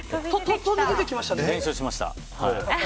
練習しました。